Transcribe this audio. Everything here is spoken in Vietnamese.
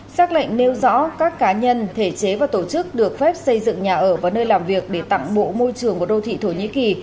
xác lệnh nêu rõ các cá nhân thể chế và tổ chức được phép xây dựng nhà ở và nơi làm việc để tặng bộ môi trường của đô thị thổ nhĩ kỳ